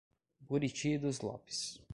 Buriti dos Lopes